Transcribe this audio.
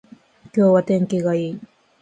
今日は天気がいい